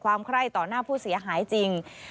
ความไข้ต่อหน้าผู้เสียหายจริง